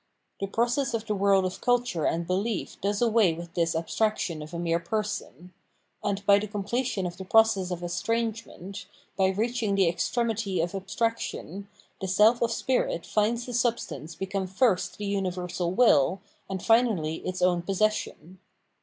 The process of the world of culture and belief does away with this abstraction of a mere person ; and by the completion of the process of estrangement, by reaching the ex tremity of abstraction, the self of spirit finds the sub stance become first the universal will, and filnally its own possession.